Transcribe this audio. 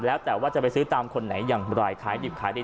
แล้วแต่ว่าจะไปซื้อตามคนไหนอย่างไรขายดิบขายดี